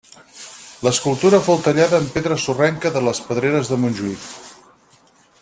L'escultura fou tallada en pedra sorrenca de les pedreres de Montjuïc.